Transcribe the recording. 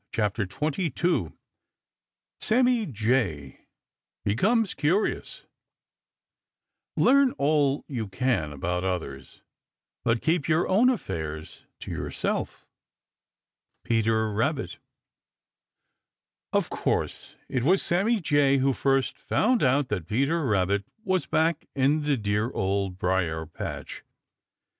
CHAPTER XXII SAMMY JAY BECOMES CURIOUS Learn all you can about others, but keep your own affairs to yourself. Peter Rabbit. Of course it was Sammy Jay who first found out that Peter Rabbit was back in the dear Old Briar patch.